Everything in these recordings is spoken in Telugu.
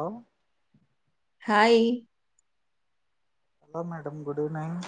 ఆ hi hello madam good evening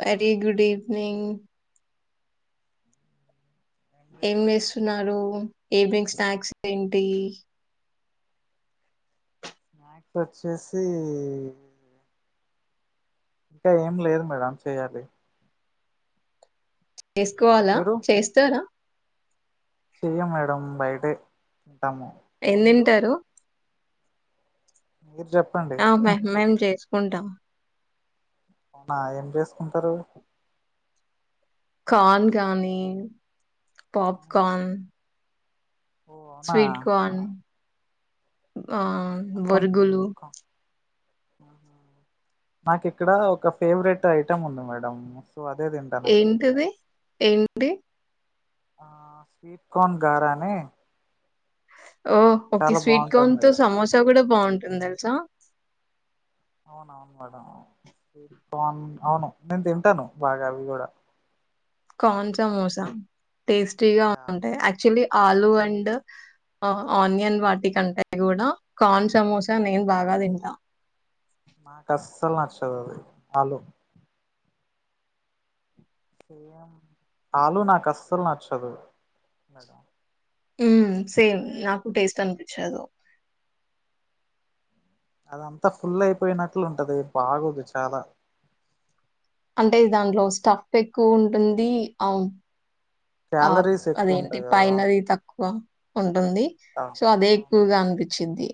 very good evening ఏం చేస్తున్నారు ఈవినింగ్ స్నాక్స్ ఏంటి స్నాక్స్ వచ్చేసి ఇంకా ఏం లేదు మేడం చేయాలి చేసుకోవాలా మీరు చేస్తారా చెయ్యం మేడం బయటే తింటాము ఏం మీరు తింటారు మీరు చెప్పండి ఉంటా అవునా ఏం చేసుకుంటారు కాన్ కగాని పాప్ కార్న్ ఓ అవునా స్వీట్ కార్న్ ఆ మొత్తం బొరుగులు నాకు ఇక్కడ ఒక ఫేవరెట్ ఐటమ్ ఉంది మేడం అదే తింటాను అక్కడికి వెళ్ళి ఎంటది ఎంటి ఆ స్వీట్ కాన్ గార ని ఓ ఓకే స్వీట్ కాన్తో సమోసా కూడా బావుంటుంది తెలుసా అవునవును మేడం స్వీట్ కార్న్ అవును నేను తింటాను బాగా అవి కూడా కార్న్ సమోసా టేస్టీ గా యా ఉంటాయి యాక్చువల్లీ ఆలూ అండ్ ఆనియన్ వాటి కంటే కూడా కాన్ సమోసా నేను బాగా తింటా నా కస్సలు నచ్చదు అది ఆలూ ఆలు నాకు అసలు నచ్చదు మేడం ఉమ్ సేమ్ నాకు టేస్ట్ అనిపిచ్చదు అదంతా ఫుల్ అయిపోయినట్లు ఉంటది బాగోదు చాలా అంటే దాంట్లో స్టఫ్ ఎక్కువ ఉంటుంది అవున్ ఆ క్యాలరీస్ ఎక్కువ అదేంటి ఉంటాయి కదా పైనది తక్కువ ఉమ్ ఉంది ఆ, సో అదే అవును ఎక్కువగా అనిపి చ్చిద్ది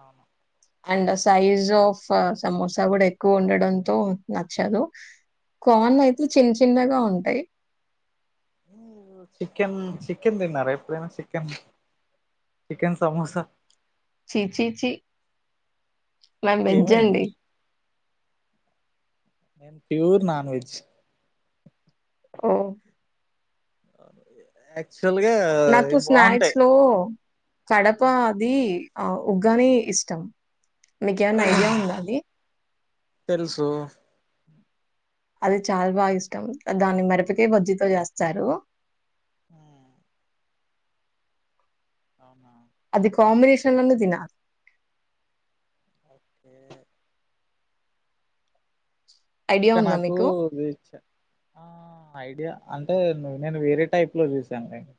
అవును అండ్ సైజ్ ఆఫ్ సమోసా కూడా ఎక్కువ ఉండడంతో నచ్చదు కాన్ అయితే చిన్న చిన్నగా ఉంటాయి చికెన్ చికెన్ తిన్నారా ఎప్పుడనా చికెన్ చికెన్ సమోస ఛీ ఛీ ఛీ మ్యామ్ వెజ్జ్ ఏమైంది అండి నేన్ ప్యూర్ నాన్ వెజ్ ఓ [unintelligible] నాకు ఇవి స్నాక్స్ బాగుంటాయి లో కడప అది ఆ ఉగ్గాని ఇష్టం మీకేమైనా ఐడియా ఉందా అది తెలుసు అది చాలా బాగా ఇష్టం దాన్ని మిరపకాయ్ బజ్జీతో చేస్తారు మ్మ్ అవునా అది కాంబినేషన్ అనే తినాలి ఓకే ఐడియా ఇంకా ఉందా నాకు మీకు? ఇది ఇచ్చ ఆ ఐడియా అంటే ను నేను వేరే టైప్ లో చూశానులేండి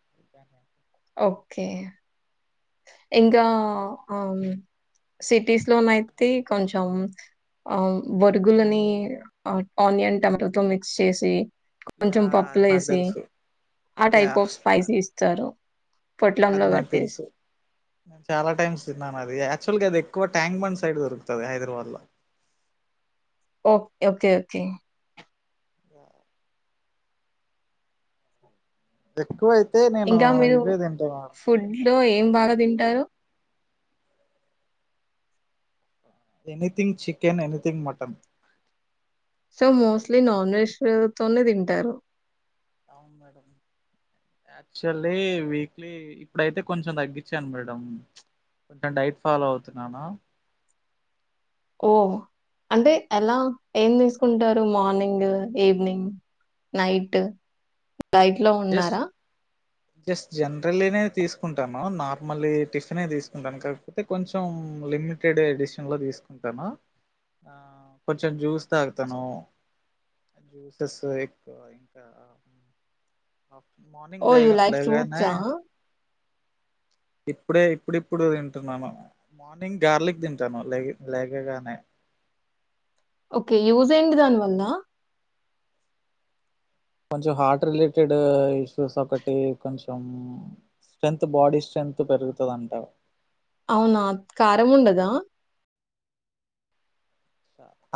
ఓకే ఇంకా అట్- ఆవును సిటీస్ లోన అయితే కొంచెం ఆ బొరుగులని ఆనియన్ టమాటోతో మిక్స్ చేసి యా కొంచెం అది నాకు పప్పులేేసి తెలుసు ఆ యా టైప్ ఆఫ్ అ- స్పైసీ ఇస్తారు పొట్లంలో అది నాకు కట్టేసి తెలుసు నేను చాలా టైమ్స్ తిన్నాను అది యాక్చువల్ గా అది ఎక్కువ ట్యాంక్ బండి సైడ్ దొరుకుతుంది హైదరాబాద్ లో ఒక్ ఓకే ఓకే ఆ ఎ ఎక్కువైతే నేను ఇవ్వే తింటాన్నారు ఇ లో ఏం బాగా తింటారు anything chicken anything mutton so mostly non veg తోనే తింటారు అవును మేడం యాక్చువల్లీ వీక్లీ ఇప్పుడైతే కొంచెం తగ్గించాను మేడం కొంచెం డైట్ ఫాలో అవుతున్నాను ఓ అంటే ఎలా ఏంది ఉంటారు మార్నింగ్ ఈవినింగ్ నైట్ డైట్ లో జస్ట్ ఉన్నారా జస్ట్ జనరల్లీనే తీసుకుంటాను నార్మల్ టిఫిన్ తీసుకుంటాను కాకపోతే కొంచెం లిమిటెడ్ ఎడిషన్లో తీసుకుంటాను ఆ కొంచెం జ్యూస్ తాగుతాను జ్యూసెస్ ఎక్కువ ఇంకా మార్నింగ్ లే ఓహ్! యూ లైక్ లేగనే ఫ్రూట్సా? ఇప్పుడే ఇప్పుడిప్పుడు తింటున్నాను మార్నింగ్ గార్లిక్ తింటాను లేగ లేగగానే ఓకే యూజ్ ఏంది దానివల్ల కొంచెం హార్ట్ రిలేటెడ్ ఇష్యూస్ ఒకటి కొంచెం స్ట్రెంగ్త్ బాడీ స్ట్రెంగ్త్ పెరుగుతుంది అంట అవునాత్ కారము ఉండదా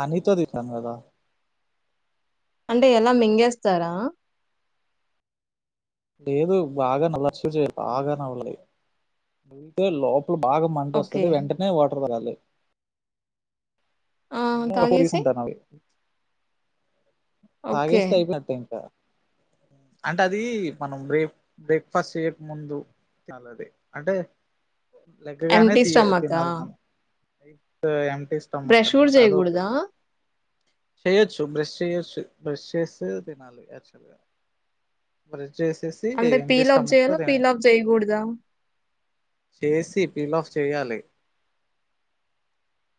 హనీతో తింటాం కదా అంటే ఎలా మింగేస్తారా లేదు బాగా నల చూ బాగా నళ లోప ఇలు బాగా మంట ఓకే. వస్తుంది వెంటనే వాటర్ తాగాలి ఆ! నినె ఒక తాగేసి? తీసుకుంటానవి ఓకే. తాగిస్తే అయిపోయినట్టే ఇంకా అంటే అది మనం బ్రేక్ బ్రేక్ఫాస్ట్ చేయక ముందు తినాలది అంటే లెగగానే ఎంప్టీ తియ స్టమకా? తినాలి మనం [unintelligible] బ్రష్ కూడా చేయకూడదా చెయొచ్చు బ్రష్ చేయొచ్చు బ్రష్ చేస్తే తినాలి యాక్టువల్గా బ్రష్ చేసేసి అంటే ఎంప్టీ పీలాఫ్ స్టమక్ చేయల తో తినాలి పీలాఫ్ చేయకూడదా చేసి పీలాఫ్ చేయాలి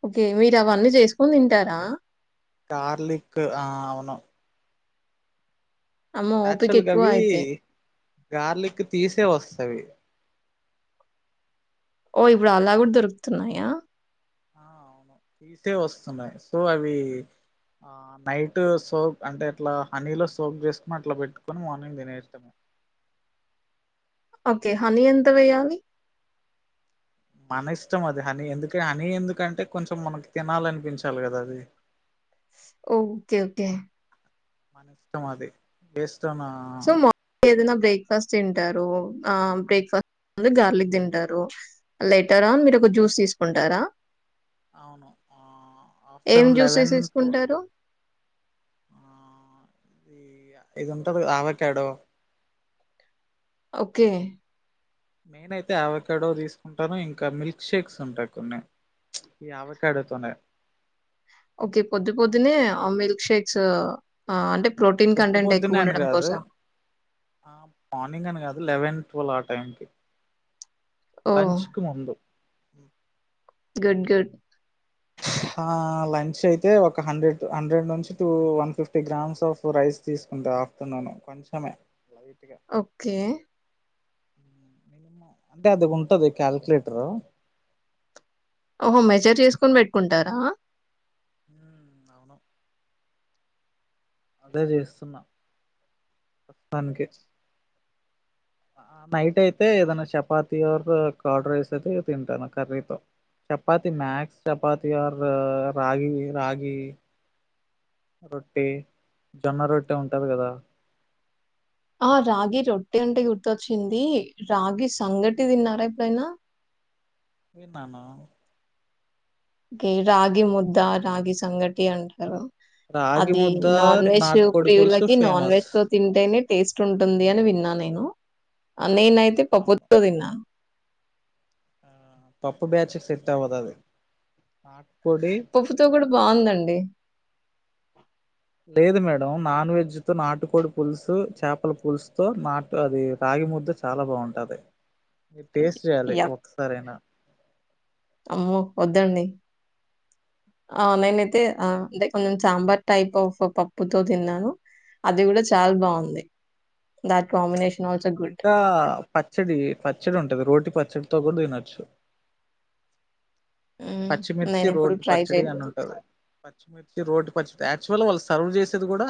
ఓకే మీరు అవన్నీ చేసుకొని తింటారా గార్లిక్ ఆ అవును అమ్మో! ఓపిక యాక్చువల్గా ఎక్కువ ఆది అయితే. గార్లిక్ తీసే వస్త అయి ఓ ఇప్పుడు అలా కూడా దొరుకుతున్నాయా ఆ అవును తీసే వస్తున్నాయి సో అవి ఆ నైట్ సోప్ అంటే అట్లా హనీలో సోక్ జేసుకుని అట్లా పెట్టుకొని మార్నింగ్ దినేస్తము ఓకే హనీ ఎంత వెయ్యాలి మన ఇష్టం అది హనీ ఎందుకే హనీ ఎందుకంటే కొంచెం మనకి తినాలనిపించాలి కదా అది ఓ ఓకే ఓకే మన ఇష్టం అది ఏస్ సో మా ఏదైనా బ్రేక్ఫాస్ట్ తింటా రు ఆ బ్రేక్ఫాస్ట్ గార్లిక్ దింటారు లెటరా అవును మీరు ఒక జ్యూస్ దీస్ కుంటారా అవును ఆ ఏం ఆఫ్టర్నూన్ జ్యూసెస్ లెవెన్ టు తీసుకుంటారు? ఆ ఇది ఉంటది ఆవకాడో ఓకే నేనయితే ఆవకాడో తీసుకుంటాను ఇంకా మిల్క్ షేక్స్ ఉంటాయి కొన్ని ఈ ఆవకాడతోనే ఓకే పొద్దు పొద్దునే మిల్క్ షేక్స్ ఆ అంటే ప్రోటీన్ పొద్దు కంటెంట్ పొద్దున్నే అని ఎక్కువుండడం కాదు కోసం. ఆ మార్నింగ్ అని గాదు లెవెన్ టువల్ ఆ టైం కి ఓహ్! లంచ్ కు ముందు ఉ గడ్ గుడ్ ఆ లంచ్ అయితే ఒక హండ్రెడ్ హండ్రెడ్ నుంచి two one fifty grams of rice తీసుకుంటా ఆఫ్టర్నూన్ కొంచమే ఒక్కే మినిమం అంటే అది ఉంటది క్యాల్కులేటరు ఓహో మెజర్ చేసుకొని పెట్టుకుంటారా ఉమ్, అవును అదే చేస్తున్నా ప్రస్తుతానికి ఆ నైట్ అయితే ఏదైనా చపాతి ఆర్ కార్డ్ రైస్ అతే తింటాను కర్రీతో చపాతి మ్యాక్స్ చపాతి ఆర్ రాగి రాగి రొట్టి జొన్న రొట్టి ఉంటాది కదా ఆ రాగి రొట్టి అంటే గుర్తొచ్చింది రాగి సంగటి తిన్నారా ఎప్పుడైనా తిన్నాను అదే రాగి ముద్ద రాగి సంగటి అంటారు రాగి అది ముద్ద నాన్ వెజ్ నాటుకోడి పులుసు ప్రియులకి నాన్ ఫేమస్ వెజ్ తో తింటేనే టేస్ట్ ఉంటుంది అని విన్నా నేను నేనైతే పప్పుతో తిన్నా హు పప్పు బ్యాచ్ సెట్ అవ్వదు అది నాటుకోడి పప్పుతో కూడా బాగుందండి. లేదు మేడం నాన్ వెజ్ త నాటుకోడి పులుసు చేపల పులుసుతోోనాటు అది రాగి ముద్ద చాలా బాగుంటుంది. మీరు టేస్ట్ చేయాలి యాహ్! ఒకసారి అయినా అమ్మో వద్దండి ఆ నేనైతే అంటే కొంచెం సాంబార్ టైప్ ఆఫ్ పప్పుతో తిన్నాను అది కూడా చాలా బాగుంది దాట్ కాంబినేషన్ ఆల్సో గుడ్. ఇంకా పచ్చడి పచ్చడి ఉంటది రోటి పచ్చడితో కూడా తినట్ చ్చు హ్మ్. పచ్చిమిర్చి నేనెప్పుడు రోటి ట్రై పచ్చడి అని చేయలేదు. ఉంటది. పచ్చిమిర్చి రోటి పచ్చడి యాక్చువల్ వాళ్ళు సర్వ్ చేసేది కూడా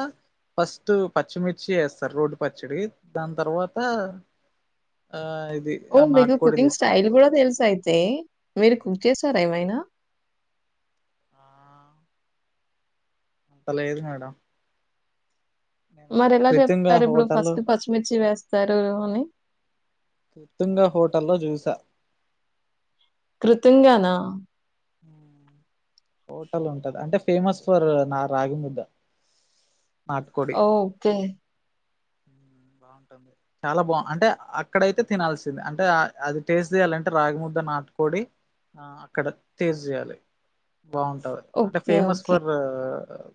ఫస్ట్ పచ్చిమిర్చి వేస్తారు రోటి పచ్చడి దాని తర్వాత ఆ ఆ ఓ మీకు కుకింగ్ స్టైల్ కూడా తెలుస అయితే మీరు కుక్ చేేశారా ఏమైనా అంత లేదు మేడం నేను మరి ఎలా కృతంగా చెప్తారు ఇప్పుడు హోటల్ ఫస్ట్ పచ్చిమిర్చి వేస్తారు అని కృతంగా హోటల్లో చూసా కృతింగానా హు హోటల్ ఉంటది అంటే ఫేమస్ ఫర్ నా రాగి ముద్ద నాటుకోడి ఓకే బాగుంటుంది చాలా బా అంటే అక్కడయితే తినాల్సింది అంటే అది టేస్ట్ చేయాలి అంటే రాగి ముద్ద నాటుకొడి ఆ అక్కడ టేస్ట్ చేయాలి. బాగుంటది అంటే okay. Famous okay. For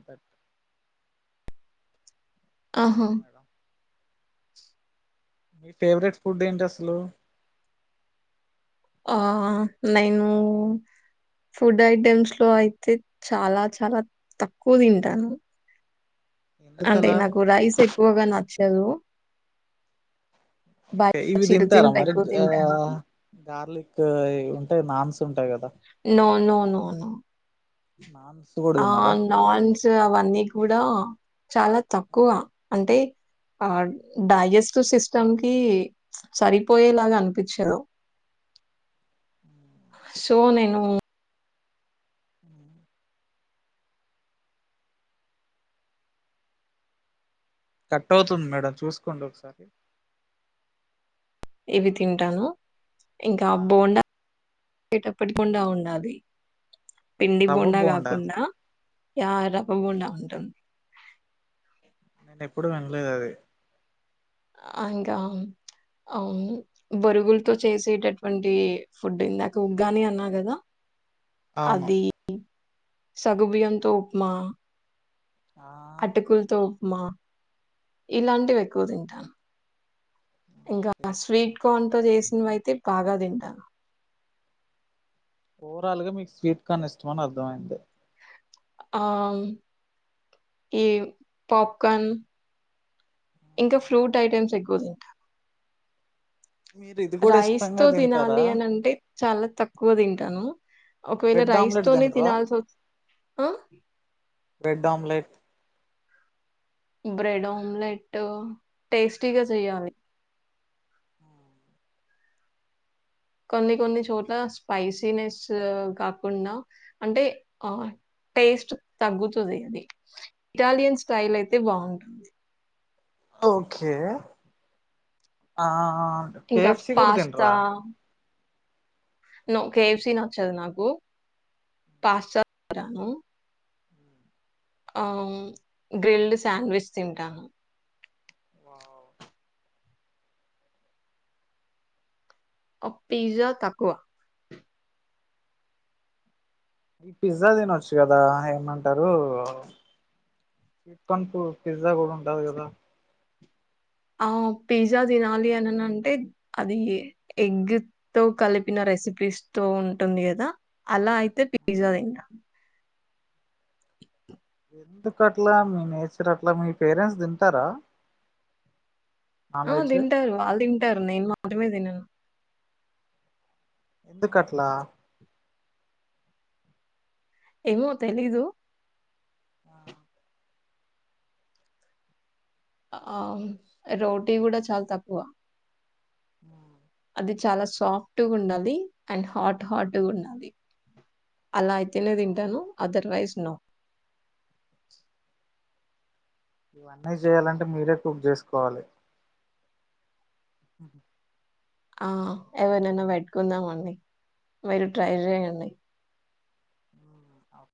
but ఆహా! అవును మేడం మీ ఫేవరెట్ ఫుడ్ ఏంటి అసలు ఆ నేను ఫుడ్ ఐటెమ్స్ లో అయితే చాలా చాలా తక్కువ తింటాను. అంటే ఎందుకలా నాకు రైస్ ఎక్కువగా నచ్చ హలో ఇవి తింటారా మరి ఆ తింటాను. గార్లిక్ ఉంటాయి నాన్స్ ఉంటాయి కదా నో నో నో అవును నాన్స్ కూడా ఆ తిన్నారా నాన్స్ అవన్నీ కూడా చాలా తక్కువ అంటే ఆ డైజెస్టివ్ సిస్టమ్ కి సరిపోయేలాగా అనిపిచ్చారు సో నేను కట్ అవుతుంది మేడం చూసుకోండి ఒకసారి ఇది తింటాను ఇంకా ఆ, బోండా [unintelligible] తప్పకకుండా ఉండాలి. పిండి రవ్వ బొండా బోండా కాకుండా యా రవ్వ బొండా ఉంటుం నేను ఎప్పుడు వినలేదు అది ఇంకా ఆ ఆ బొరుగులతో చేసేటటువంటి ఫుడ్ ఇందాక ఉగ్గాని అన్నా కదా అవును అది సగ్గు బియ్యంతో ఉప్మా ఆ అటుకులుతో మా ఇలాంటివి ఎక్కువ తింటాను ఇంకా ఓకే స్వీట్ కార్న్ తో చేసి నేనైతే బాగా తింటాను ఓవరాల్గా మీకు స్వీట్ కార్న్ ఇష్టమా అని అర్థమైంది. ఆ ఈ పాప్కన్, ఇంకా ఫ్రూట్ ఐటెమ్స్ ఎక్కువ తింటా మీరు ఇది కూడా రైస్ ఇష్టంగా తో తింటారా తినాలి అని అంటే చాలా తక్కువ తింటాను. ఒకవేళ బ్రెడ్ రైస్ ఆమ్లెట్ తోనే తింటారా తినాల్సోత్ ఆ బ్రెడ్ ఆమ్లెట్ బ్రెడ్ ఆమ్లెట్ టేస్టీగా చెయ్యాలి. కొన్ని కొన్ని చోట్ల స్పైసీనెస్ కాకుండా అంటే ఆ టేస్ట్ తగ్గుతుంది. అది ఇటాలియన్ స్టైల్ అయితే బాగుంటుంది. ఓకే ఆ ఆ ఇంకా కేఎఫ్సి కూడా పాస్తా తింట్రా నో కేఎఫ్సి నచ్చదు. నాకు పాస్తా రాను. ఆ ఉమ్మ్ గ్రిల్డ్ శాండ్విచ్ తింటాను. వావ్ ఒక పిజ్జా తక్కువ పిజ్జా తినొచ్చు కదా ఏమంటరూ. స్వీట్ కార్న్ కు పిజ్జా కూడా ఉన్ టావని గదా ఆ పిజ్జా తినాలి అనిన అంటే అది ఎ ఎగ్ తో కలిపిన రెసిపీస్ తో ఉంటుంది. కదా అలా అయితే పిజ్జా తింటాన్ ఎందుకు అట్లా మీ నేచర్ అట్లా, మీ పేరెంట్స్ తింటారా నాన్ ఆ వెజ్ తింటారు. వాళ్ళు తింటారు. నేను మాత్రమే తినను ఎందుకట్లా ఏమో తెలీదు అ ఆ రోటీ కూడా చాల్ తక్కువ హ్మ్ అది చాలా సాఫ్ట్గా ఉండాలి అండ్ హాట్ హాట్గా ఉండాలి అలా అయితేనే దింటాను అదర్వైజ్ నొ ఇవన్నీ జేయాలంటే మీరే కుక్ జేసుకోవాలి ఆ ఎవరినైనా పెట్టుకుందామండి మీరు ట్రై జేయండి